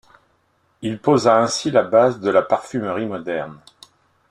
Il posa ainsi la base de la parfumerie moderne.